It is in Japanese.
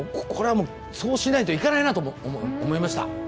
これはもうそうしないといかないなと思いました。